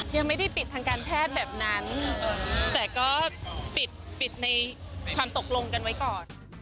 ยังไม่ได้ปิดทางการแพทย์แบบนั้นแต่ก็ปิดปิดในความตกลงกันไว้ก่อน